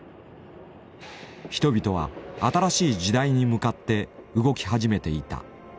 人々は新しい時代に向かって動き始めていた。